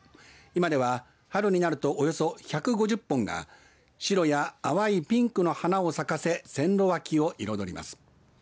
今では春になるとおよそ１５０本が白や淡いピンクの花を咲かせ線路脇を彩ります。